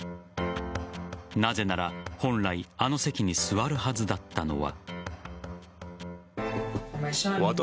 なぜなら、本来あの席に座るはずだったのは。